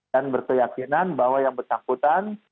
dan berkeyakinan bahwa yang berkejahatan